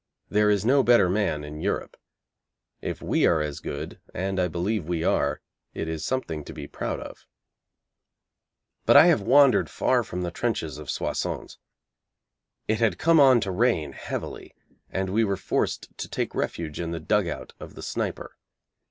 There is no better man in Europe. If we are as good and I believe we are it is something to be proud of. But I have wandered far from the trenches of Soissons. It had come on to rain heavily, and we were forced to take refuge in the dugout of the sniper.